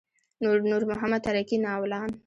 نور محمد تره کي ناولان.